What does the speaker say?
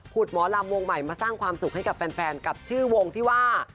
หมอลำวงใหม่มาสร้างความสุขให้กับแฟนกับชื่อวงที่ว่า